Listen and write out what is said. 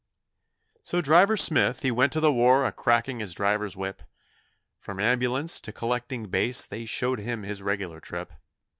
So Driver Smith he went to the war a cracking his driver's whip, From ambulance to collecting base they showed him his regular trip.